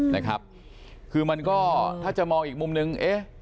นะครับคือมันก็ถ้าจะมองอีกมุมนึงเอ๊ะ